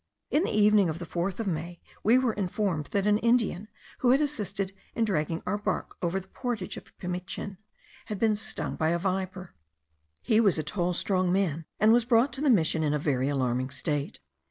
In the evening of the 4th of May we were informed, that an Indian, who had assisted in dragging our bark over the portage of Pimichin, had been stung by a viper. He was a tall strong man, and was brought to the mission in a very alarming state.